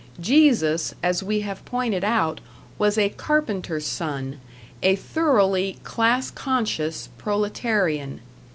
Jesus, as we have pointed out, was a carpenter's son, a thoroughly class conscious proletarian.